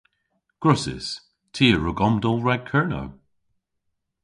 Gwrussys. Ty a wrug omdowl rag Kernow.